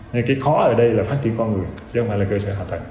nên cái khó ở đây là phát triển con người chứ không phải là cơ sở hạ tầng